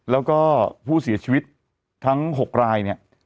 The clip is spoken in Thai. แล้วก็ผู้เสียชีวิตทั้ง๖รายเนี่ย